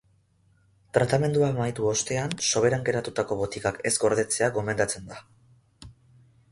Tratamendua amaitu ostean soberan geratutako botikak ez gordetzea gomendatzen da.